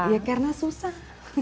ya karena susah